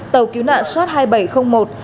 tàu cứu nạn sot hai nghìn bảy trăm linh một